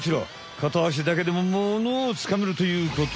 かたあしだけでもモノをつかめるということ。